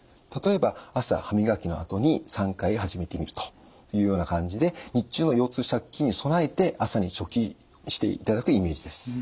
例えば朝歯磨きのあとに３回始めてみるというような感じで日中の腰痛借金に備えて朝に貯金していただくイメージです。